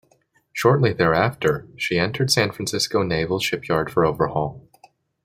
Shortly thereafter, she entered San Francisco Naval Shipyard for overhaul.